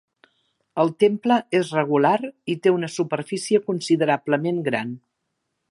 El temple és regular i té una superfície considerablement gran.